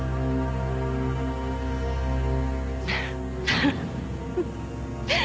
フフフッ。